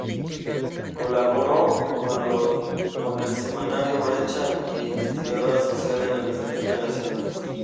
Colabora con el semanario "Brecha" y es investigadora asociada a la Biblioteca Nacional.